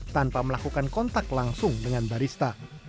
tanpa melakukan kontak langsung dengan barista